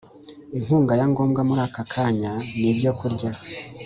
inkunga ya ngombwa muri aka kanya nibyo kurya